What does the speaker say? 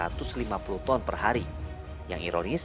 yang ironis dengan penggunaan biomasa yang hanya sampai lima puluh ton